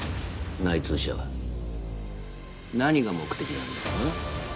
内通者は何が目的なんだうん？